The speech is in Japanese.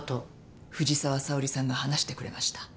藤沢さおりさんが話してくれました。